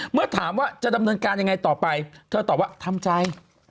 เมื่อถามว่าจะดำเนินการยังไงต่อไปเธอตอบว่าทำใจ